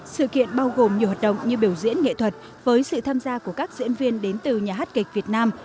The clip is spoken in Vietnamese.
sự kiện bao gồm nhiều hoạt động như biểu diễn nghệ thuật với sự tham gia của các diễn viên đến từ nhà hát kịch việt nam